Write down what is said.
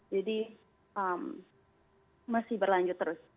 jadi masih berlanjut terus